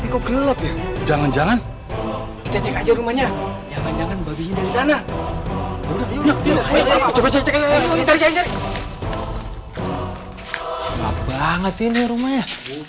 kok gelap ya jangan jangan aja rumahnya jangan jangan dari sana banget ini rumahnya